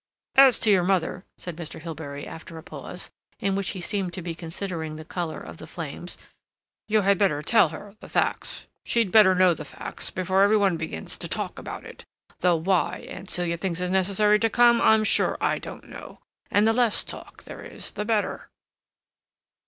"As to your mother," said Mr. Hilbery, after a pause, in which he seemed to be considering the color of the flames, "you had better tell her the facts. She'd better know the facts before every one begins to talk about it, though why Aunt Celia thinks it necessary to come, I'm sure I don't know. And the less talk there is the better."